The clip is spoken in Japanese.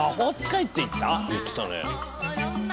言ってたね。